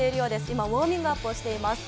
今、ウォーミングアップをしています。